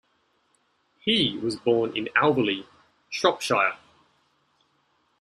He was born in Alveley, Shropshire.